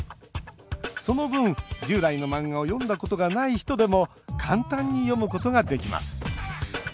その分、従来の漫画を読んだことがない人でも簡単に読むことができます。